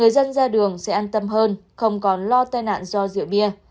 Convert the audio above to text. xa đường sẽ an tâm hơn không còn lo tai nạn do rượu bia